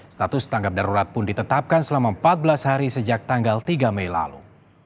status tanggap darurat pun ditetapkan selama empat belas hari sejak tanggal tiga mei lalu